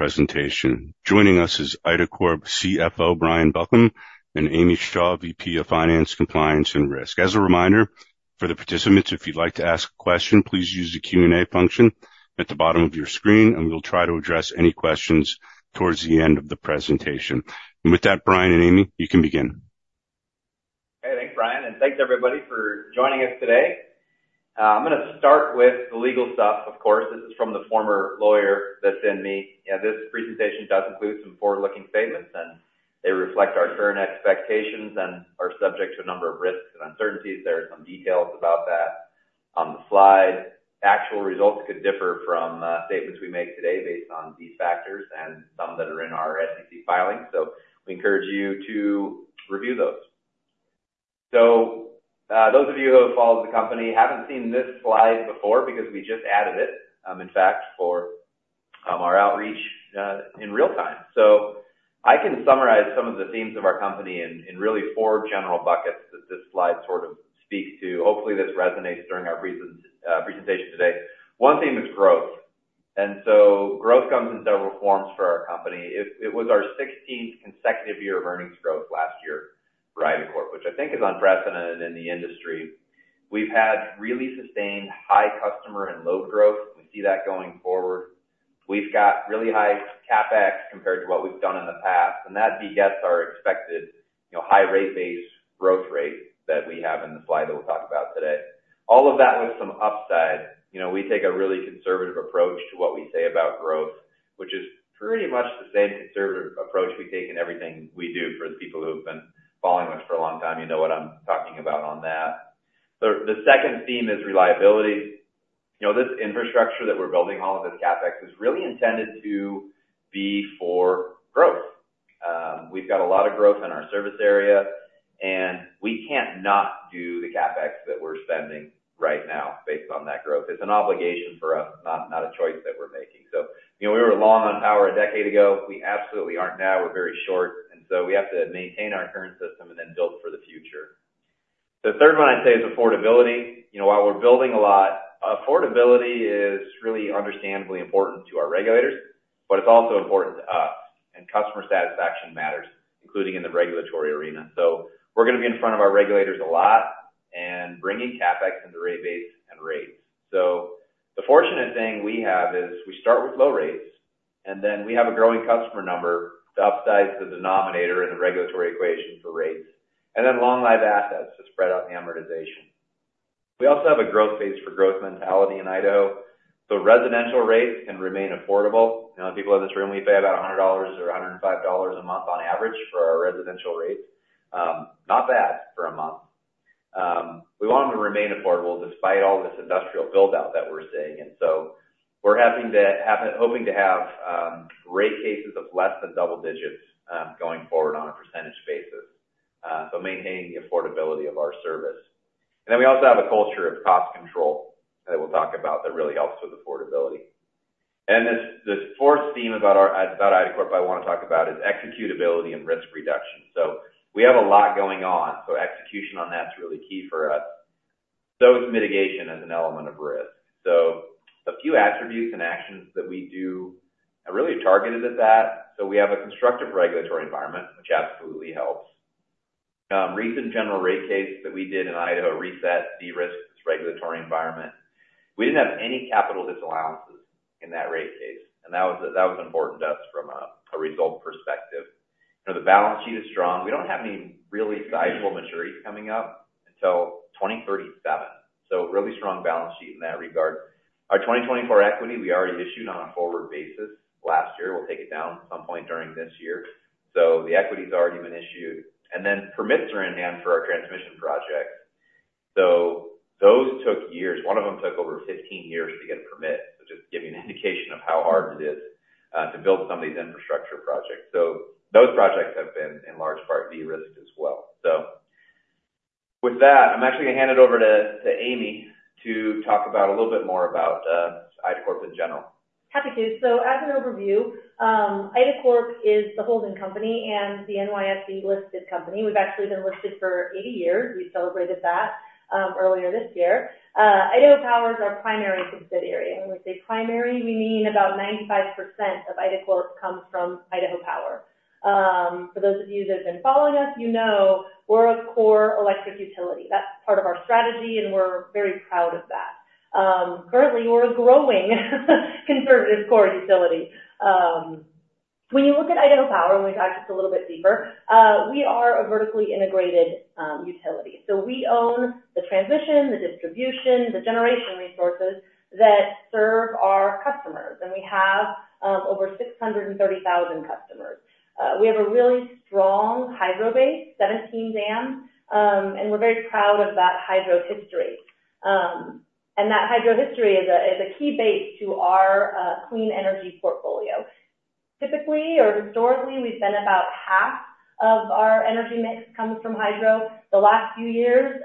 Presentation. Joining us is IDACORP CFO Brian Buckham and Amy Shaw, VP of Finance, Compliance, and Risk. As a reminder, for the participants, if you'd like to ask a question, please use the Q&A function at the bottom of your screen, and we'll try to address any questions towards the end of the presentation. And with that, Brian and Amy, you can begin. Hey, thanks Brian, and thanks everybody for joining us today. I'm going to start with the legal stuff, of course. This is from the former lawyer that's in me. Yeah, this presentation does include some forward-looking statements, and they reflect our current expectations and are subject to a number of risks and uncertainties. There are some details about that on the slide. Actual results could differ from statements we make today based on these factors and some that are in our SEC filings, so we encourage you to review those. So those of you who have followed the company haven't seen this slide before because we just added it, in fact, for our outreach in real time. So I can summarize some of the themes of our company in really four general buckets that this slide sort of speaks to. Hopefully, this resonates during our presentation today. One theme is growth. And so growth comes in several forms for our company. It was our 16th consecutive year of earnings growth last year for IDACORP, which I think is unprecedented in the industry. We've had really sustained high customer and load growth. We see that going forward. We've got really high CapEx compared to what we've done in the past, and that begets our expected high rate base growth rate that we have in the slide that we'll talk about today. All of that with some upside. We take a really conservative approach to what we say about growth, which is pretty much the same conservative approach we take in everything we do for the people who've been following us for a long time. You know what I'm talking about on that. The second theme is reliability. This infrastructure that we're building, all of this CapEx, is really intended to be for growth. We've got a lot of growth in our service area, and we can't not do the CapEx that we're spending right now based on that growth. It's an obligation for us, not a choice that we're making. So we were long on power a decade ago. We absolutely aren't now. We're very short, and so we have to maintain our current system and then build for the future. The third one I'd say is affordability. While we're building a lot, affordability is really understandably important to our regulators, but it's also important to us, and customer satisfaction matters, including in the regulatory arena. So we're going to be in front of our regulators a lot and bringing CapEx into rate base and rates. So the fortunate thing we have is we start with low rates, and then we have a growing customer number to upsize the denominator in the regulatory equation for rates, and then long-life assets to spread out the amortization. We also have a growth phase for growth mentality in Idaho. So residential rates can remain affordable. People in this room, we pay about $100 or $105 a month on average for our residential rates. Not bad for a month. We want them to remain affordable despite all this industrial buildout that we're seeing. And so we're hoping to have rate cases of less than double digits going forward on a percentage basis, so maintaining the affordability of our service. And then we also have a culture of cost control that we'll talk about that really helps with affordability. And then this fourth theme about IDACORP I want to talk about is executability and risk reduction. So we have a lot going on, so execution on that's really key for us. So is mitigation as an element of risk. So a few attributes and actions that we do are really targeted at that. So we have a constructive regulatory environment, which absolutely helps. Recent general rate case that we did in Idaho reset de-risked its regulatory environment. We didn't have any capital disallowances in that rate case, and that was important to us from a result perspective. The balance sheet is strong. We don't have any really sizable maturities coming up until 2037, so really strong balance sheet in that regard. Our 2024 equity, we already issued on a forward basis last year. We'll take it down at some point during this year. So the equity's already been issued. Then permits are in hand for our transmission projects. So those took years. One of them took over 15 years to get a permit, so just giving you an indication of how hard it is to build some of these infrastructure projects. So those projects have been in large part de-risked as well. So with that, I'm actually going to hand it over to Amy to talk a little bit more about IDACORP in general. Happy to. So as an overview, IDACORP is the holding company and the NYSE-listed company. We've actually been listed for 80 years. We celebrated that earlier this year. Idaho Power is our primary subsidiary. And when we say primary, we mean about 95% of IDACORP comes from Idaho Power. For those of you that have been following us, you know we're a core electric utility. That's part of our strategy, and we're very proud of that. Currently, we're a growing conservative core utility. When you look at Idaho Power, and we can talk just a little bit deeper, we are a vertically integrated utility. So we own the transmission, the distribution, the generation resources that serve our customers, and we have over 630,000 customers. We have a really strong hydro base, 17 dams, and we're very proud of that hydro history. And that hydro history is a key base to our clean energy portfolio. Typically or historically, we've been about half of our energy mix comes from hydro. The last few years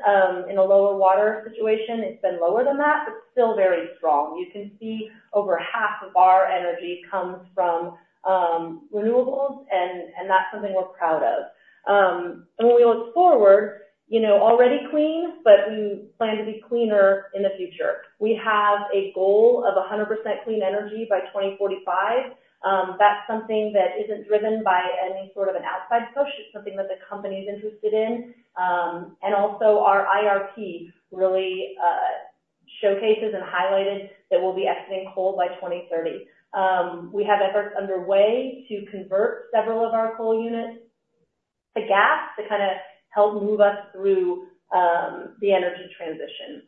in a lower water situation, it's been lower than that, but still very strong. You can see over half of our energy comes from renewables, and that's something we're proud of. And when we look forward, already clean, but we plan to be cleaner in the future. We have a goal of 100% clean energy by 2045. That's something that isn't driven by any sort of an outside push. It's something that the company's interested in. And also our IRP really showcases and highlighted that we'll be exiting coal by 2030. We have efforts underway to convert several of our coal units to gas to kind of help move us through the energy transition.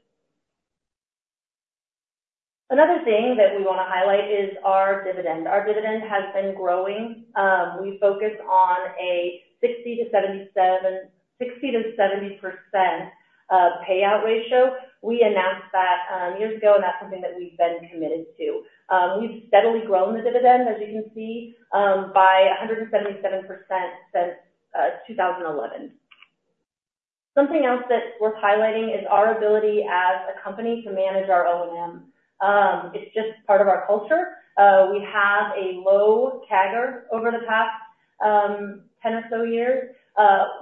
Another thing that we want to highlight is our dividend. Our dividend has been growing. We focus on a 60%-70% payout ratio. We announced that years ago, and that's something that we've been committed to. We've steadily grown the dividend, as you can see, by 177% since 2011. Something else that's worth highlighting is our ability as a company to manage our O&M. It's just part of our culture. We have a low CAGR over the past 10 or so years.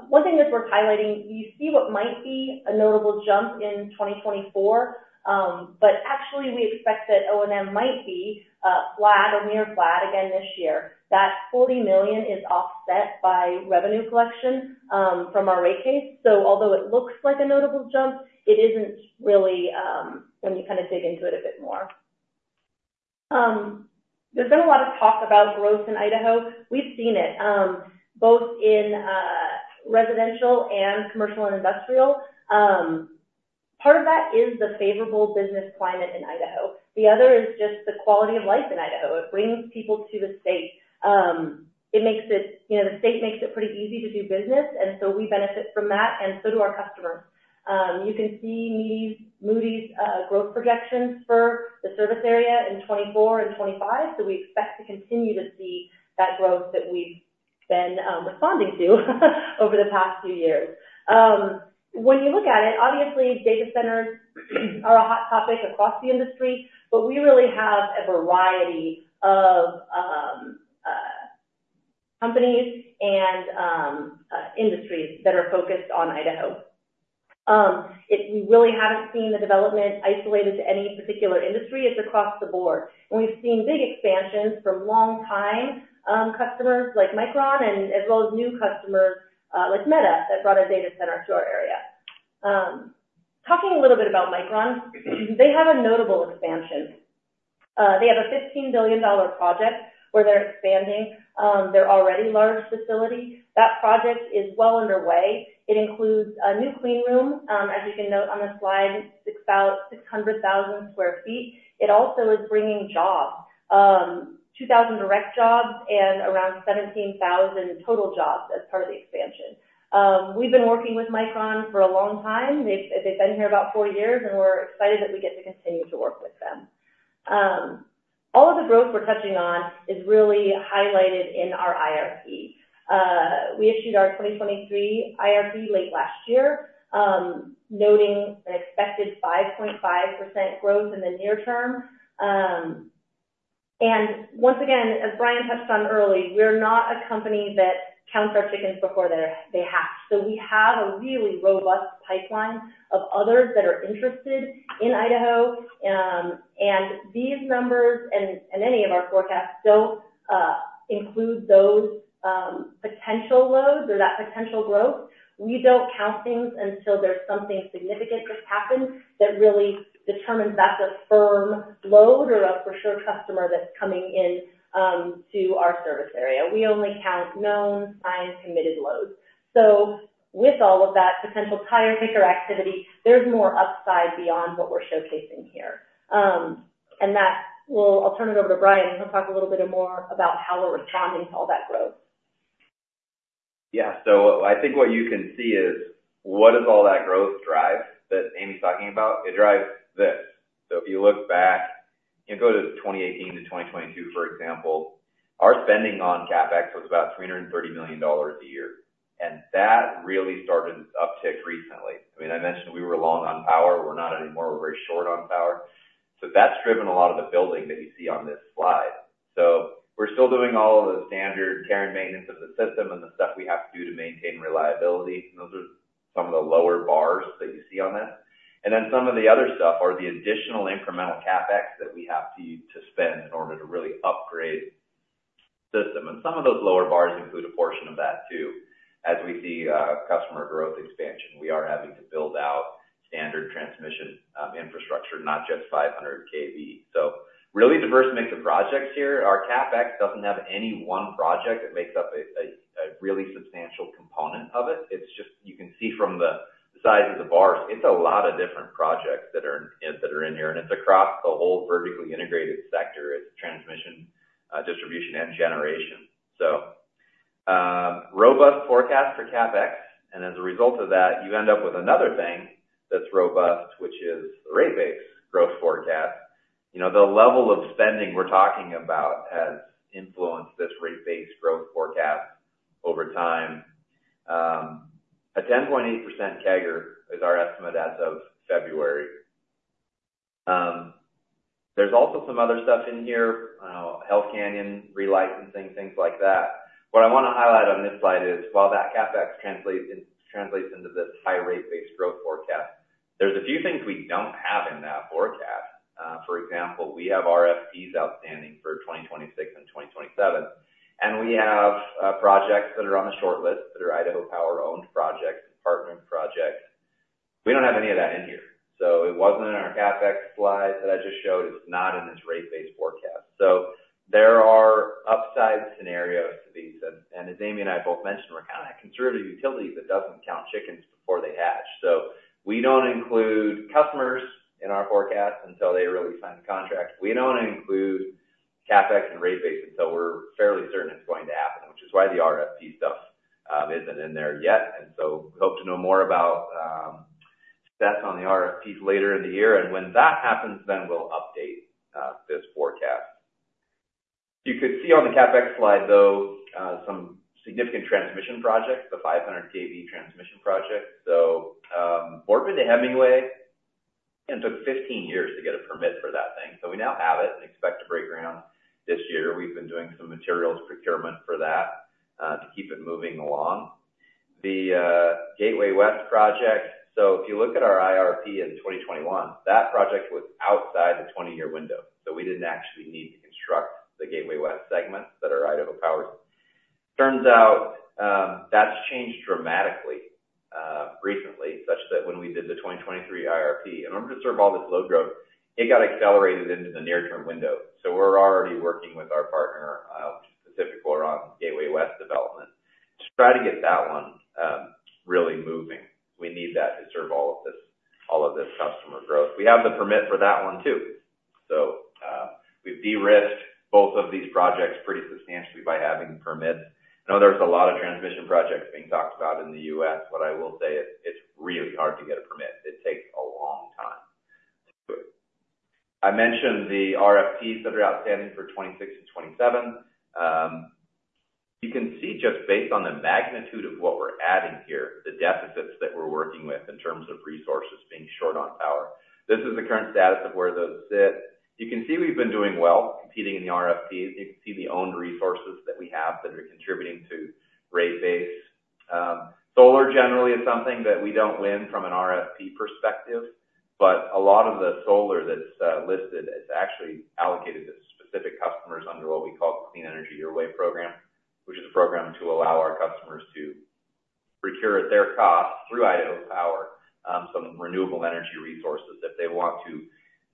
One thing that's worth highlighting, you see what might be a notable jump in 2024, but actually, we expect that O&M might be flat or near flat again this year. That $40 million is offset by revenue collection from our rate case. So although it looks like a notable jump, it isn't really when you kind of dig into it a bit more. There's been a lot of talk about growth in Idaho. We've seen it both in residential and commercial and industrial. Part of that is the favorable business climate in Idaho. The other is just the quality of life in Idaho. It brings people to the state. It makes it. The state makes it pretty easy to do business, and so we benefit from that, and so do our customers. You can see Moody's growth projections for the service area in 2024 and 2025, so we expect to continue to see that growth that we've been responding to over the past few years. When you look at it, obviously, data centers are a hot topic across the industry, but we really have a variety of companies and industries that are focused on Idaho. We really haven't seen the development isolated to any particular industry. It's across the board. We've seen big expansions from long-time customers like Micron, as well as new customers like Meta that brought a data center to our area. Talking a little bit about Micron, they have a notable expansion. They have a $15 billion project where they're expanding their already large facility. That project is well underway. It includes a new clean room, as you can note on the slide, 600,000 sq ft. It also is bringing jobs, 2,000 direct jobs and around 17,000 total jobs as part of the expansion. We've been working with Micron for a long time. They've been here about four years, and we're excited that we get to continue to work with them. All of the growth we're touching on is really highlighted in our IRP. We issued our 2023 IRP late last year, noting an expected 5.5% growth in the near term. Once again, as Brian touched on earlier, we're not a company that counts our chickens before they hatch. So we have a really robust pipeline of others that are interested in Idaho. These numbers and any of our forecasts don't include those potential loads or that potential growth. We don't count things until there's something significant that's happened that really determines that's a firm load or a for sure customer that's coming into our service area. We only count known, signed, committed loads. So with all of that potential tire-kicker activity, there's more upside beyond what we're showcasing here. I'll turn it over to Brian, and he'll talk a little bit more about how we're responding to all that growth. Yeah. So I think what you can see is what does all that growth drive that Amy's talking about? It drives this. So if you look back, go to 2018-2022, for example, our spending on CapEx was about $330 million a year, and that really started its uptick recently. I mean, I mentioned we were long on power. We're not anymore. We're very short on power. So that's driven a lot of the building that you see on this slide. So we're still doing all of the standard care and maintenance of the system and the stuff we have to do to maintain reliability. And those are some of the lower bars that you see on that. And then some of the other stuff are the additional incremental CapEx that we have to spend in order to really upgrade the system. Some of those lower bars include a portion of that too. As we see customer growth expansion, we are having to build out standard transmission infrastructure, not just 500 kV. So really diverse mix of projects here. Our CapEx doesn't have any one project that makes up a really substantial component of it. You can see from the size of the bars, it's a lot of different projects that are in here, and it's across the whole vertically integrated sector. It's transmission, distribution, and generation. So robust forecast for CapEx. And as a result of that, you end up with another thing that's robust, which is the rate base growth forecast. The level of spending we're talking about has influenced this rate base growth forecast over time. A 10.8% CAGR is our estimate as of February. There's also some other stuff in here, Hells Canyon relicensing, things like that. What I want to highlight on this slide is while that CapEx translates into this high rate base growth forecast, there's a few things we don't have in that forecast. For example, we have RFPs outstanding for 2026 and 2027, and we have projects that are on the shortlist that are Idaho Power-owned projects, partnered projects. We don't have any of that in here. So it wasn't in our CapEx slide that I just showed. It's not in this rate base forecast. So there are upside scenarios to these. And as Amy and I both mentioned, we're kind of a conservative utility that doesn't count chickens before they hatch. So we don't include customers in our forecast until they really sign the contract. We don't include CapEx and rate base until we're fairly certain it's going to happen, which is why the RFP stuff isn't in there yet. So we hope to know more about stats on the RFPs later in the year. When that happens, then we'll update this forecast. You could see on the CapEx slide, though, some significant transmission projects, the 500 kV transmission project. So Boardman to Hemingway took 15 years to get a permit for that thing. So we now have it and expect to break ground this year. We've been doing some materials procurement for that to keep it moving along. The Gateway West project, so if you look at our IRP in 2021, that project was outside the 20-year window. So we didn't actually need to construct the Gateway West segments that are Idaho Power's. Turns out that's changed dramatically recently, such that when we did the 2023 IRP, in order to serve all this load growth, it got accelerated into the near-term window. So we're already working with our partner, PacifiCorp, on Gateway West development to try to get that one really moving. We need that to serve all of this customer growth. We have the permit for that one too. So we've de-risked both of these projects pretty substantially by having permits. I know there's a lot of transmission projects being talked about in the U.S. What I will say is it's really hard to get a permit. It takes a long time to do it. I mentioned the RFPs that are outstanding for 2026 and 2027. You can see just based on the magnitude of what we're adding here, the deficits that we're working with in terms of resources being short on power. This is the current status of where those sit. You can see we've been doing well, competing in the RFPs. You can see the owned resources that we have that are contributing to rate base. Solar generally is something that we don't win from an RFP perspective, but a lot of the solar that's listed, it's actually allocated to specific customers under what we call the Clean Energy Your Way program, which is a program to allow our customers to procure at their cost through Idaho Power some renewable energy resources if they want to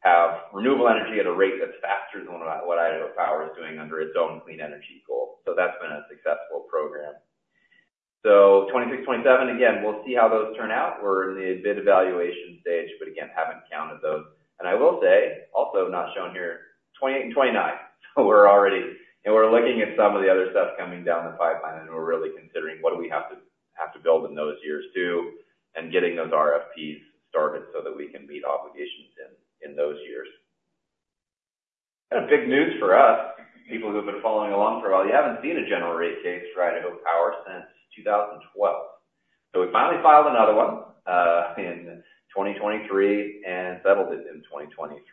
have renewable energy at a rate that's faster than what Idaho Power is doing under its own clean energy goal. So that's been a successful program. So 2026, 2027, again, we'll see how those turn out. We're in the bid evaluation stage, but again, haven't counted those. I will say, also not shown here, 2028 and 2029. So we're already and we're looking at some of the other stuff coming down the pipeline, and we're really considering what do we have to build in those years too and getting those RFPs started so that we can meet obligations in those years. Kind of big news for us, people who have been following along for a while, you haven't seen a general rate case for Idaho Power since 2012. So we finally filed another one in 2023 and settled it in 2023.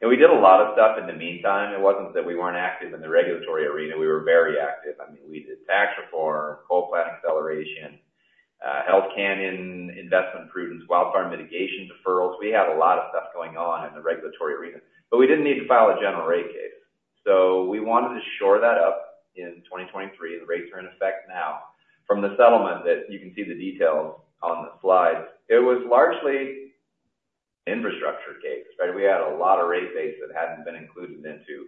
And we did a lot of stuff in the meantime. It wasn't that we weren't active in the regulatory arena. We were very active. I mean, we did tax reform, coal plant acceleration, Hells Canyon investment prudence, wildfire mitigation deferrals. We had a lot of stuff going on in the regulatory arena, but we didn't need to file a general rate case. So we wanted to shore that up in 2023. The rates are in effect now. From the settlement that you can see the details on the slides, it was largely an infrastructure case, right? We had a lot of rate base that hadn't been included into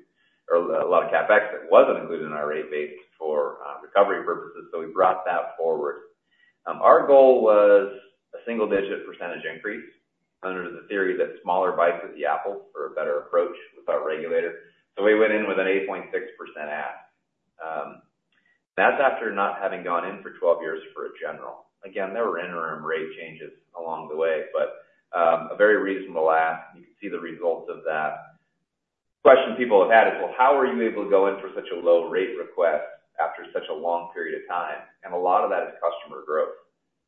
or a lot of CapEx that wasn't included in our rate base for recovery purposes. So we brought that forward. Our goal was a single-digit percentage increase under the theory that smaller bites of the apple for a better approach with our regulator. So we went in with an 8.6% add. That's after not having gone in for 12 years for a general. Again, there were interim rate changes along the way, but a very reasonable add. You can see the results of that. The question people have had is, "Well, how are you able to go in for such a low rate request after such a long period of time?" A lot of that is customer growth,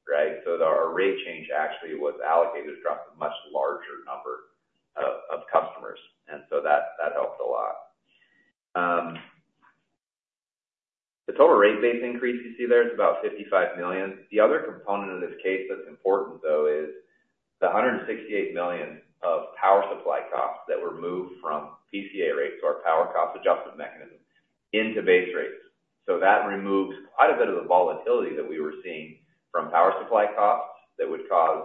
right? Our rate change actually was allocated across a much larger number of customers, and so that helped a lot. The total rate base increase you see there is about $55 million. The other component of this case that's important, though, is the $168 million of power supply costs that were moved from PCA rates, our power cost adjustment mechanism, into base rates. That removes quite a bit of the volatility that we were seeing from power supply costs that would cause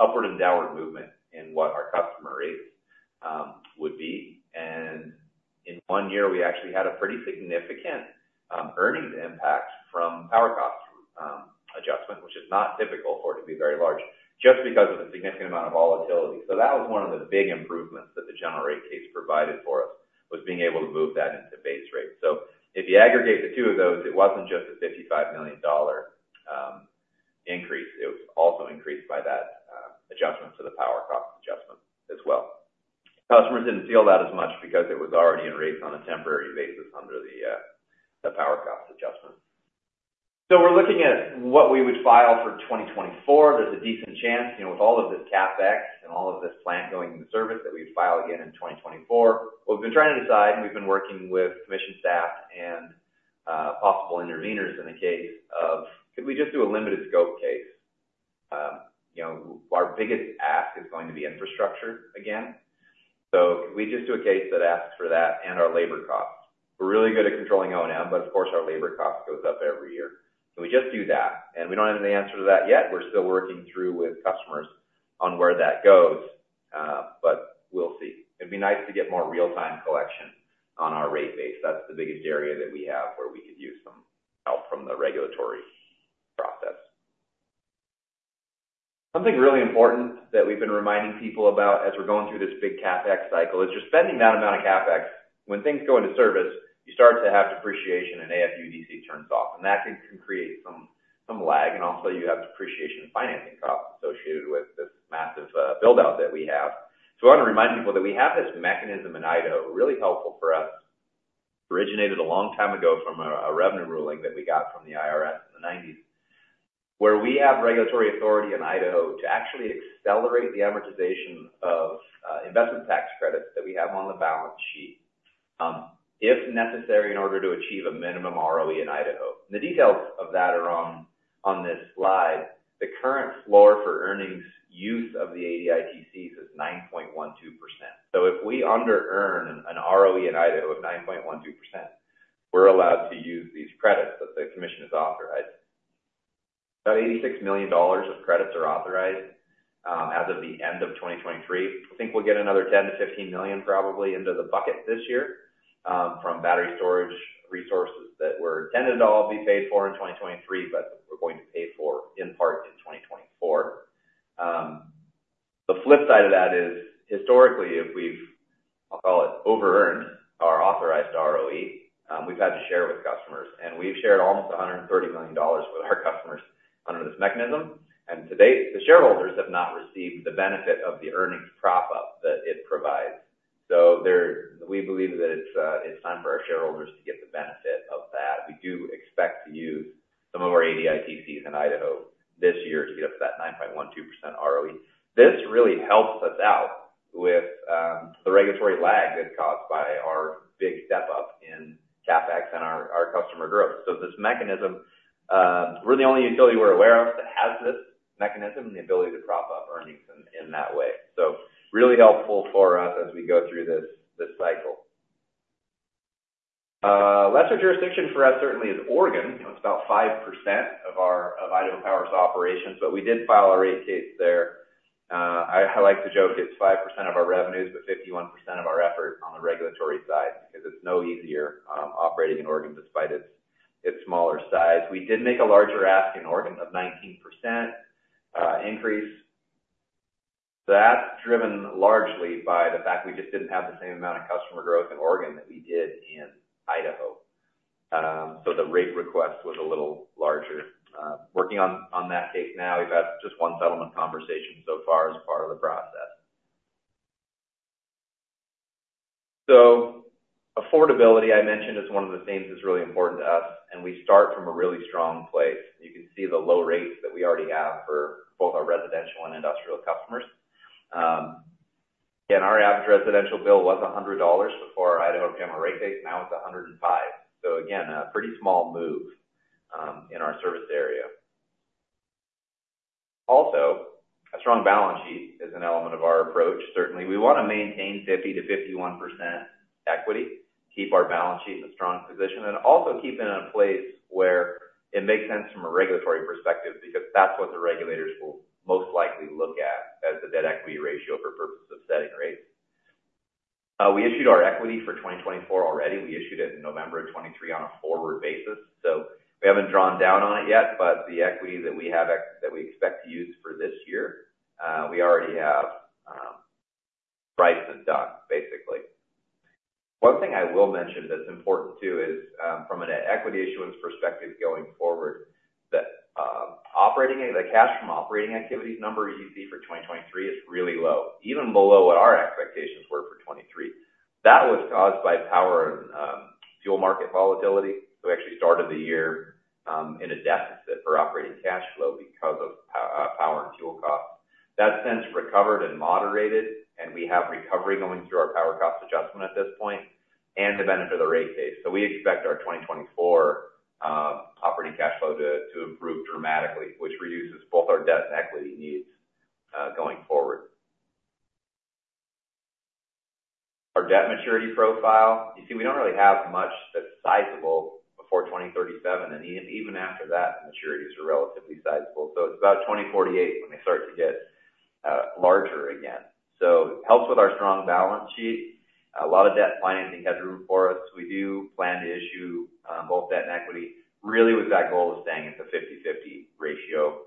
upward and downward movement in what our customer rates would be. In one year, we actually had a pretty significant earnings impact from power cost adjustment, which is not typical for it to be very large, just because of the significant amount of volatility. So that was one of the big improvements that the general rate case provided for us, was being able to move that into base rate. So if you aggregate the two of those, it wasn't just a $55 million increase. It was also increased by that adjustment to the power cost adjustment as well. Customers didn't feel that as much because it was already in rates on a temporary basis under the power cost adjustment. So we're looking at what we would file for 2024. There's a decent chance with all of this CapEx and all of this plant going into service that we would file again in 2024. What we've been trying to decide, and we've been working with commission staff and possible intervenors in the case of, "Could we just do a limited scope case?" Our biggest ask is going to be infrastructure again. So could we just do a case that asks for that and our labor costs? We're really good at controlling O&M, but of course, our labor costs goes up every year. Can we just do that? And we don't have any answer to that yet. We're still working through with customers on where that goes, but we'll see. It'd be nice to get more real-time collection on our rate base. That's the biggest area that we have where we could use some help from the regulatory process. Something really important that we've been reminding people about as we're going through this big CapEx cycle is just spending that amount of CapEx. When things go into service, you start to have depreciation, and AFUDC turns off, and that can create some lag. Also, you have depreciation financing costs associated with this massive buildout that we have. We want to remind people that we have this mechanism in Idaho really helpful for us. It originated a long time ago from a revenue ruling that we got from the IRS in the '90s where we have regulatory authority in Idaho to actually accelerate the amortization of investment tax credits that we have on the balance sheet, if necessary, in order to achieve a minimum ROE in Idaho. The details of that are on this slide. The current floor for earnings use of the ADITCs is 9.12%. If we under-earn an ROE in Idaho of 9.12%, we're allowed to use these credits that the commission has authorized. About $86 million of credits are authorized as of the end of 2023. I think we'll get another $10 million-$15 million, probably, into the bucket this year from battery storage resources that were intended to all be paid for in 2023, but we're going to pay for, in part, in 2024. The flip side of that is, historically, if we've, I'll call it, over-earn our authorized ROE, we've had to share it with customers. We've shared almost $130 million with our customers under this mechanism. To date, the shareholders have not received the benefit of the earnings prop-up that it provides. We believe that it's time for our shareholders to get the benefit of that. We do expect to use some of our ADITCs in Idaho this year to get us that 9.12% ROE. This really helps us out with the regulatory lag that's caused by our big step-up in CapEx and our customer growth. So this mechanism, we're the only utility we're aware of that has this mechanism and the ability to prop up earnings in that way. So really helpful for us as we go through this cycle. Lesser jurisdiction for us certainly is Oregon. It's about 5% of Idaho Power's operations, but we did file our rate case there. I like to joke it's 5% of our revenues but 51% of our effort on the regulatory side because it's no easier operating in Oregon despite its smaller size. We did make a larger ask in Oregon of 19% increase. That's driven largely by the fact we just didn't have the same amount of customer growth in Oregon that we did in Idaho. So the rate request was a little larger. Working on that case now, we've had just one settlement conversation so far as part of the process. So affordability, I mentioned, is one of the things that's really important to us, and we start from a really strong place. You can see the low rates that we already have for both our residential and industrial customers. Again, our average residential bill was $100 before Idaho began a rate base. Now it's $105. So again, a pretty small move in our service area. Also, a strong balance sheet is an element of our approach, certainly. We want to maintain 50%-51% equity, keep our balance sheet in a strong position, and also keep it in a place where it makes sense from a regulatory perspective because that's what the regulators will most likely look at as the debt equity ratio for purposes of setting rates. We issued our equity for 2024 already. We issued it in November of 2023 on a forward basis. So we haven't drawn down on it yet, but the equity that we expect to use for this year, we already have priced and done, basically. One thing I will mention that's important too is, from an equity issuance perspective going forward, the cash from operating activities number you see for 2023 is really low, even below what our expectations were for 2023. That was caused by power and fuel market volatility. So we actually started the year in a deficit for operating cash flow because of power and fuel costs. That's since recovered and moderated, and we have recovery going through our power cost adjustment at this point and the benefit of the rate case. So we expect our 2024 operating cash flow to improve dramatically, which reduces both our debt and equity needs going forward. Our debt maturity profile, you see, we don't really have much that's sizable before 2037, and even after that, maturities are relatively sizable. So it's about 2048 when they start to get larger again. So it helps with our strong balance sheet. A lot of debt financing has room for us. We do plan to issue both debt and equity, really with that goal of staying at the 50/50 ratio.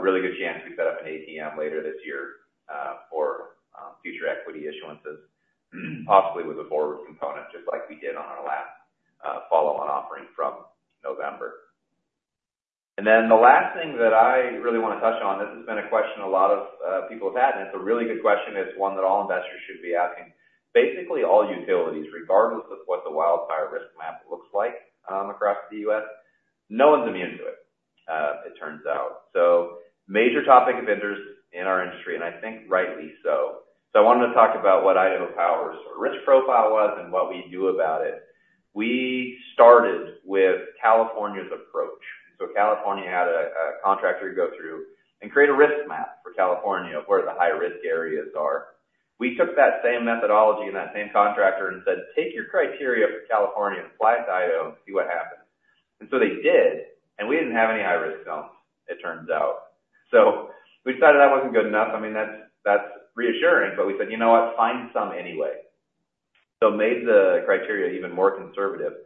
Really good chance we set up an ATM later this year for future equity issuances, possibly with a forward component, just like we did on our last follow-on offering from November. And then the last thing that I really want to touch on, this has been a question a lot of people have had, and it's a really good question. It's one that all investors should be asking. Basically, all utilities, regardless of what the wildfire risk map looks like across the U.S., no one's immune to it, it turns out. So major topic of interest in our industry, and I think rightly so. So I wanted to talk about what Idaho Power's risk profile was and what we do about it. We started with California's approach. So California had a contractor go through and create a risk map for California of where the high-risk areas are. We took that same methodology and that same contractor and said, "Take your criteria for California and apply it to Idaho and see what happens." And so they did, and we didn't have any high-risk zones, it turns out. So we decided that wasn't good enough. I mean, that's reassuring, but we said, "You know what? Find some anyway." So made the criteria even more conservative.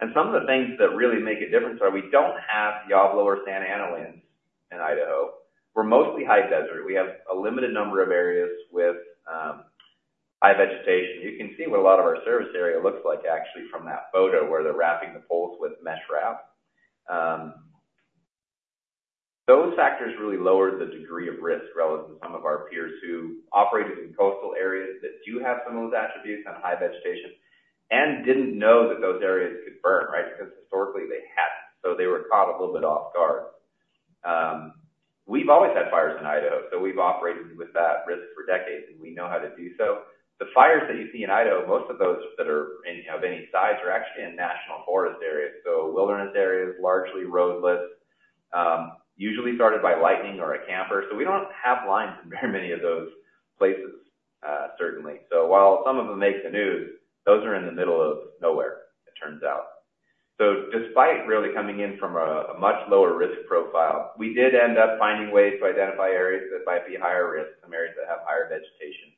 And some of the things that really make a difference are we don't have Diablo or Santa Ana in Idaho. We're mostly high desert. We have a limited number of areas with high vegetation. You can see what a lot of our service area looks like, actually, from that photo where they're wrapping the poles with mesh wrap. Those factors really lowered the degree of risk relative to some of our peers who operated in coastal areas that do have some of those attributes on high vegetation and didn't know that those areas could burn, right, because historically, they hadn't. So they were caught a little bit off guard. We've always had fires in Idaho, so we've operated with that risk for decades, and we know how to do so. The fires that you see in Idaho, most of those that are of any size are actually in national forest areas, so wilderness areas, largely roadless, usually started by lightning or a camper. So we don't have lines in very many of those places, certainly. So while some of them make the news, those are in the middle of nowhere, it turns out. So despite really coming in from a much lower risk profile, we did end up finding ways to identify areas that might be higher risk, some areas that have higher vegetation.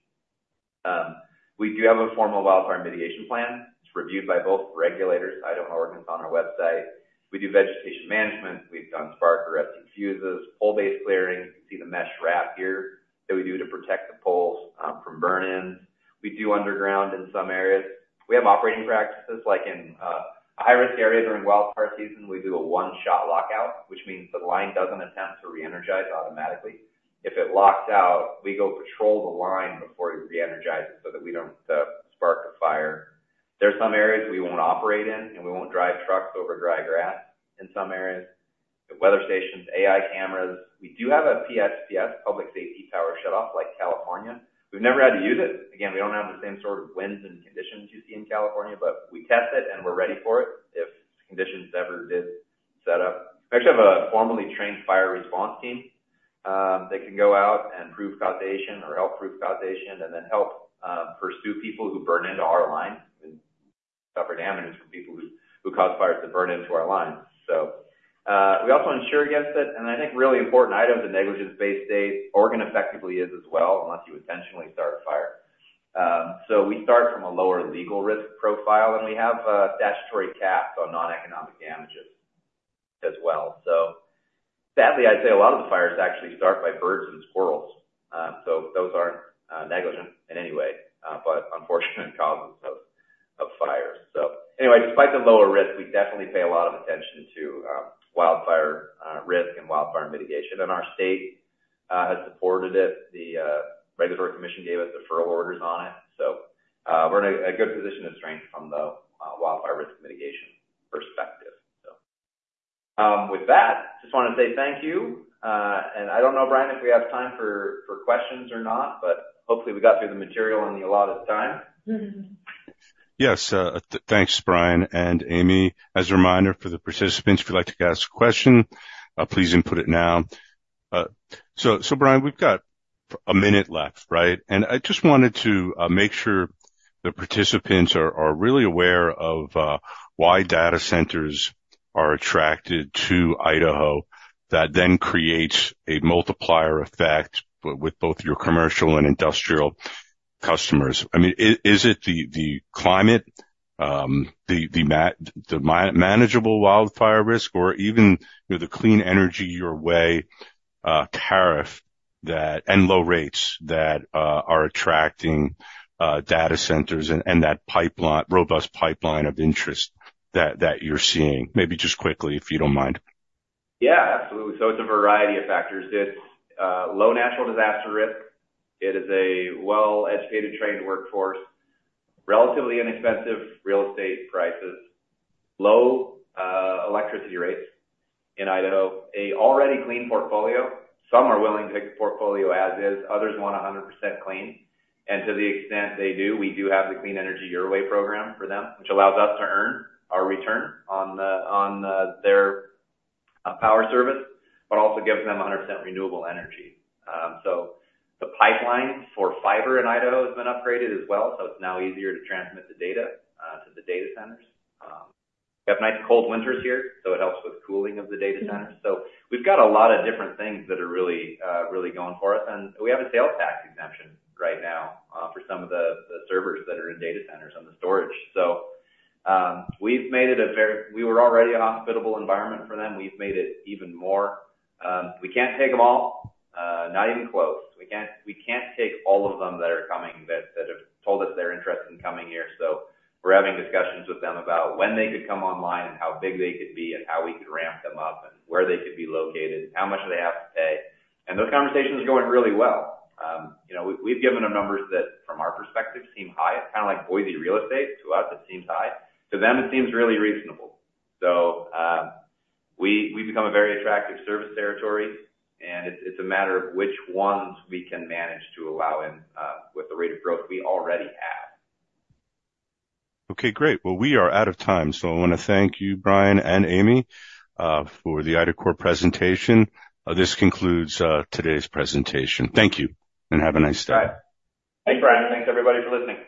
We do have a formal wildfire mitigation plan. It's reviewed by both regulators, Idaho and Oregon, on our website. We do vegetation management. We've done spark arresting fuses, pole base clearing. You can see the mesh wrap here that we do to protect the poles from burn-ins. We do underground in some areas. We have operating practices. In a high-risk area during wildfire season, we do a one-shot lockout, which means the line doesn't attempt to re-energize automatically. If it locks out, we go patrol the line before it re-energizes so that we don't spark a fire. There's some areas we won't operate in, and we won't drive trucks over dry grass in some areas, weather stations, AI cameras. We do have a PSPS, public safety power shutoff, like California. We've never had to use it. Again, we don't have the same sort of winds and conditions you see in California, but we test it, and we're ready for it if conditions ever did set up. We actually have a formally trained fire response team that can go out and prove causation or help prove causation and then help pursue people who burn into our lines and suffer damages from people who cause fires to burn into our lines. So we also insure against it. And I think really important, Idaho's a negligence-based state. Oregon effectively is as well unless you intentionally start a fire. So we start from a lower legal risk profile, and we have statutory caps on non-economic damages as well. So sadly, I'd say a lot of the fires actually start by birds and squirrels. So those aren't negligent in any way but unfortunate causes of fires. So anyway, despite the lower risk, we definitely pay a lot of attention to wildfire risk and wildfire mitigation. And our state has supported it. The regulatory commission gave us deferral orders on it. So we're in a good position to strengthen from the wildfire risk mitigation perspective, so. With that, just want to say thank you. And I don't know, Brian, if we have time for questions or not, but hopefully, we got through the material in the allotted time. Yes. Thanks, Brian and Amy. As a reminder, for the participants, if you'd like to ask a question, please input it now. So Brian, we've got a minute left, right? And I just wanted to make sure the participants are really aware of why data centers are attracted to Idaho. That then creates a multiplier effect with both your commercial and industrial customers. I mean, is it the climate, the manageable wildfire risk, or even the Clean Energy Your Way tariff and low rates that are attracting data centers and that robust pipeline of interest that you're seeing? Maybe just quickly, if you don't mind. Yeah, absolutely. So it's a variety of factors. It's low natural disaster risk. It is a well-educated, trained workforce, relatively inexpensive real estate prices, low electricity rates in Idaho, an already clean portfolio. Some are willing to take the portfolio as is. Others want 100% clean. And to the extent they do, we do have the Clean Energy Your Way program for them, which allows us to earn our return on their power service but also gives them 100% renewable energy. So the pipeline for fiber in Idaho has been upgraded as well, so it's now easier to transmit the data to the data centers. We have nice cold winters here, so it helps with cooling of the data centers. So we've got a lot of different things that are really going for us. We have a sales tax exemption right now for some of the servers that are in data centers on the storage. So we've made it. We were already a hospitable environment for them. We've made it even more. We can't take them all, not even close. We can't take all of them that are coming that have told us they're interested in coming here. So we're having discussions with them about when they could come online and how big they could be and how we could ramp them up and where they could be located and how much they have to pay. And those conversations are going really well. We've given them numbers that, from our perspective, seem high, kind of like Boise real estate to us. It seems high. To them, it seems really reasonable. So we've become a very attractive service territory, and it's a matter of which ones we can manage to allow in with the rate of growth we already have. Okay. Great. Well, we are out of time. So I want to thank you, Brian and Amy, for the IDACORP presentation. This concludes today's presentation. Thank you, and have a nice day. All right. Thanks, Brian. And thanks, everybody, for listening.